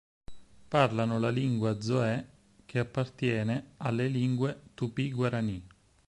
Parlano la lingua zo'é che appartiene alle lingue tupi-guaraní.